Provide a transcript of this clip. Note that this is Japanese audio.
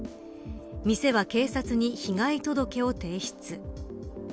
店は、警察に被害届を提出。